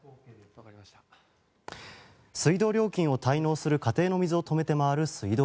水道料金を滞納する家庭の水を止めて回る水道